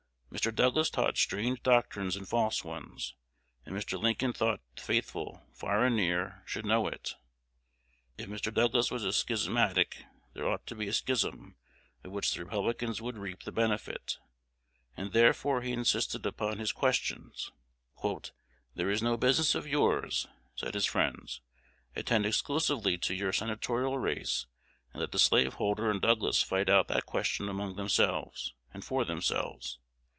Mr. Douglas taught strange doctrines and false ones; and Mr. Lincoln thought the faithful, far and near, should know it. If Mr. Douglas was a schismatic, there ought to be a schism, of which the Republicans would reap the benefit; and therefore he insisted upon his questions. "That is no business of yours," said his friends. "Attend exclusively to your senatorial race, and let the slaveholder and Douglas fight out that question among themselves and for themselves.